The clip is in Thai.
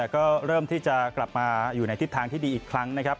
ก็เริ่มที่จะกลับมาอยู่ในทิศทางที่ดีอีกครั้งนะครับ